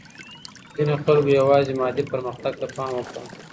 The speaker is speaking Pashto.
ځینو خلګو یوازې مادي پرمختګ ته پام وکړ.